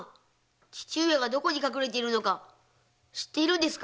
父上がどこに隠れているのか知っているんですか？